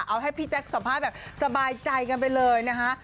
เอาให้พี่แจ๊คสัมภาษณ์แบบสบายใจกันไปเลยนะคะ